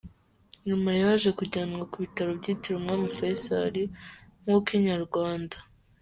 Nyuma yaje kujyanwa ku bitaro byitiriwe umwami Faisal nk’uko Inyarwanda.